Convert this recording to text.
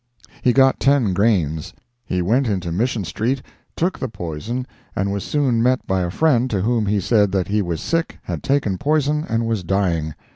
He got ten grains. He went into Mission street, took the poison, and was soon met by a friend, to whom he said that he was sick, had taken poison, and was dying.